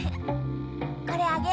これあげる。